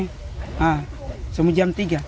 ha semua jam tiga